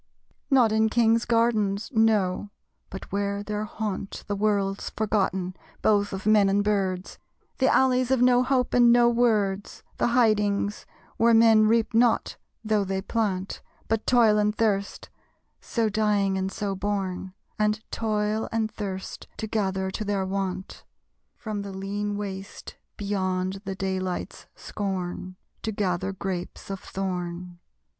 Not in kings' gardens. No; but where there haunt The world's forgotten, both of men and birds; The alleys of no hope and of no words, The hidings where men reap not, though they plant; But toil and thirst so dying and so born; And toil and thirst to gather to their want, From the lean waste, beyond the daylight's scorn, To gather grapes of thorn!